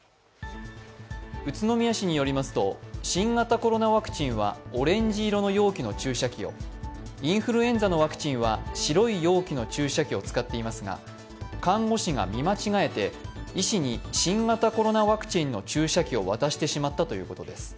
宇都宮市によりますと、新型コロナワクチンはオレンジ色の容器の注射器をインフルエンザのワクチンは白い容器の注射器を使っていますが看護師が見間違えて医師に新型コロナワクチンの注射器を渡してしまったということです。